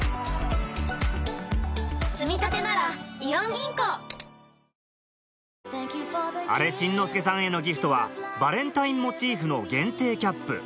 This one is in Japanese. つみたてならイオン銀行！あれしんのすけさんへのギフトはバレンタインモチーフの限定キャップ